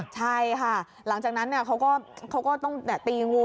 ใช่ค่ะหลังจากนั้นเขาก็ต้องตีงู